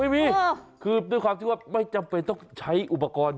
ไม่มีคือด้วยความที่ว่าไม่จำเป็นต้องใช้อุปกรณ์